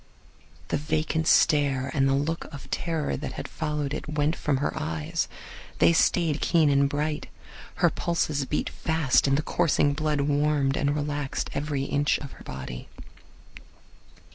The vacant stare and the look of terror that had followed it went from her eyes. They stayed keen and bright. Her pulses beat fast, and the coursing blood warmed and relaxed every inch of her body.